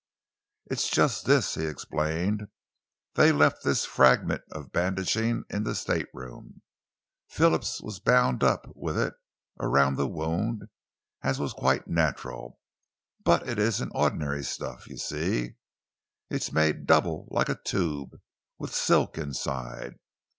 "It's just this," he explained. "They left this fragment of bandaging in the stateroom. Phillips was bound up with it around the wound, as was quite natural, but it isn't ordinary stuff, you see. It's made double like a tube, with silk inside.